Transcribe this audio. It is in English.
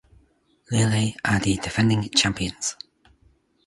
Lille are the defending champions.